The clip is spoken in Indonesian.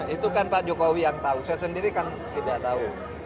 itu kan pak jokowi yang tahu saya sendiri kan tidak tahu